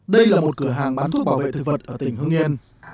đây là một cửa hàng bán thuốc bảo vệ thực vật ở tỉnh hưng yên